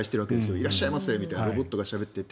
いらっしゃいませみたいなロボットがしゃべっていて。